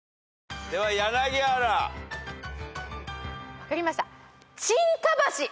分かりました。